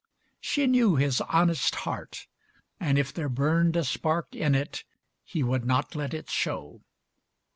She knew his honest heart, and if there burned A spark in it he would not let it show.